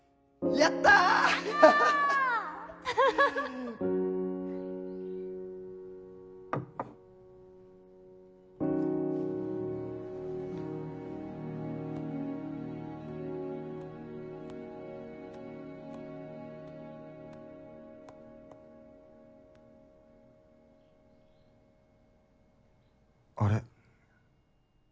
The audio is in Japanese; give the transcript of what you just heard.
やった！あれ？